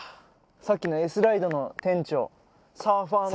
さっきのエスライドの店長サーファーの。